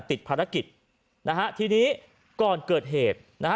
ติดภารกิจนะฮะทีนี้ก่อนเกิดเหตุนะฮะ